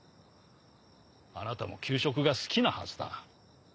あなたも給食が好きなはずだ。